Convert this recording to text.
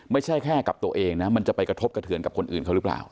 ไม่ใช่แค่กับตัวเองนะมันจะไปกระทบกระเทือนกับคนอื่นเขาหรือเปล่า